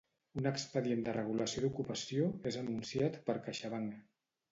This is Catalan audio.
Un Expedient de Regulació d'Ocupació és anunciat per CaixaBank.